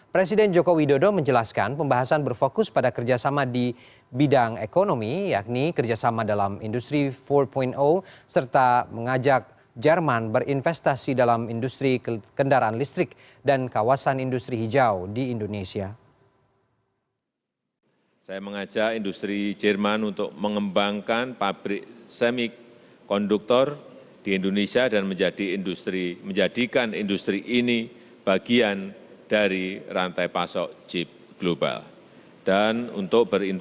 presiden joko widodo menjelaskan pembahasan berfokus pada kerjasama di bidang ekonomi yakni kerjasama dalam industri empat serta mengajak jerman berinvestasi dalam industri kendaraan listrik dan kawasan industri hijau